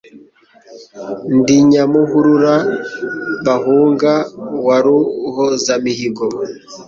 Ndi Nyamuhurura bahunga, wa Ruhozamihigo,